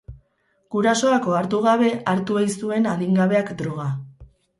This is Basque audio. Gurasoak ohartu gabe hartu ei zuen adingabeak droga.